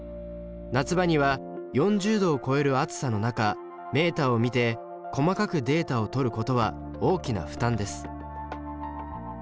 夏場には４０度を超える暑さの中メータを見て細かくデータを取ることは大きな負担です。